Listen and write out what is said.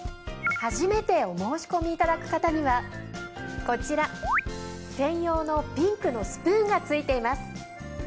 初めてお申込みいただく方にはこちら専用のピンクのスプーンが付いています。